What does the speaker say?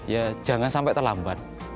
ya jangan sampai terlambat